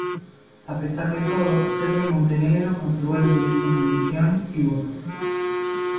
A pesar de todo, Serbia y Montenegro conservó los derechos de emisión y voto.